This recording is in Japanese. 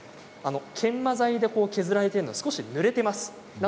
研磨剤で削られているので、ぬれています。